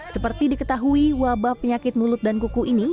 seperti diketahui wabah penyakit mulut dan kuku ini